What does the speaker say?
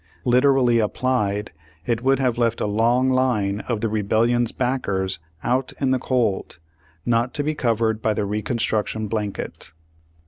Literally applied, it would have left a long line of the Rebellion's backers out in the cold, not to be covered by the Reconstruction blanket.